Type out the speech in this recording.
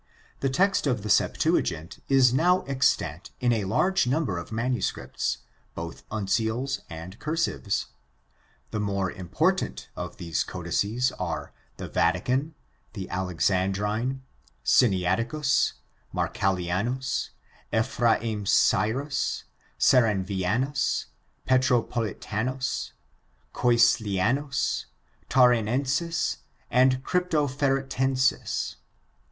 The text of the Septuagint is now extant in a large number of manu scripts, both uncials and cursives. The more important of OLD TESTAMENT AND RELIGION OF ISRAEL 95 these codices are the Vatican, the Alexandrine, Sinaiticus, Marchalianus, Ephraem Syrus, Sarravianus, Petropolitanus, CoisHnianus, Taurinensis, and Cryptoferratensis.